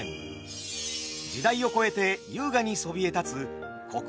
時代を超えて優雅にそびえ立つ国宝姫路城。